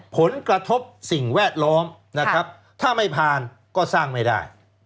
ผลกระทบสิ่งแวดล้อมนะครับถ้าไม่ผ่านก็สร้างไม่ได้